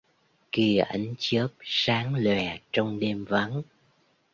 Kìa ánh chớp sáng loè trong đêm vắng